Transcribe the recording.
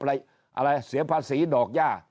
อะไรเสียภาษีดอกย่า